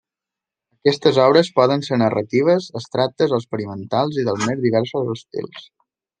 Aquestes obres poden ser narratives, abstractes o experimentals i dels més diversos estils.